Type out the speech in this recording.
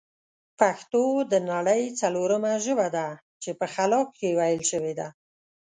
پښتو د نړۍ ځلورمه ژبه ده چې په خلا کښې ویل شوې ده